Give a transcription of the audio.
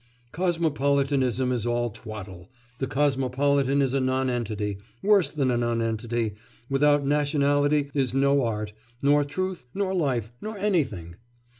Cosmopolitanism is all twaddle, the cosmopolitan is a nonentity worse than a nonentity; without nationality is no art, nor truth, nor life, nor anything.